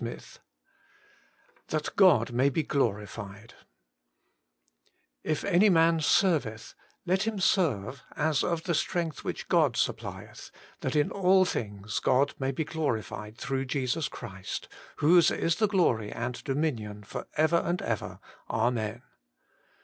XXXI XTbat 6ot) map be (BlorifieD ' If any man serveth, let him serve as of the strength which God suppHeth : that in all things God may be glorified through Jesus Christ, whose is the glory and dominion for ever and ever. Amen.'